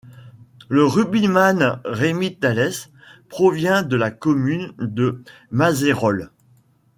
Le rugbyman Rémi Talès provient de la commune de Mazerolles.